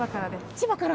千葉から。